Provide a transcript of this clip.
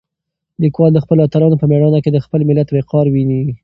لیکوال د خپلو اتلانو په مېړانه کې د خپل ملت وقار وینه.